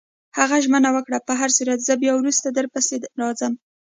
هغه ژمنه وکړه: په هرصورت، زه بیا وروسته درپسې راځم.